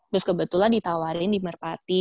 terus kebetulan ditawarin di merpati